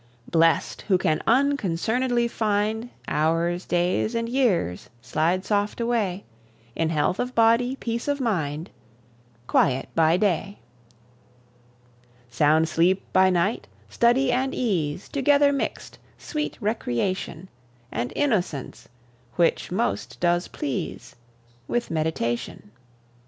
Blest, who can unconcern'dly find Hours, days, and years slide soft away In health of body, peace of mind, Quiet by day, Sound sleep by night; study and ease Together mixt, sweet recreation, And innocence, which most does please With meditation.